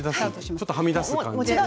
ちょっとはみ出す感じで。